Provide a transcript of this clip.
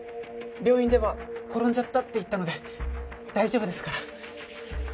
病院では転んじゃったって言ったので大丈夫ですから。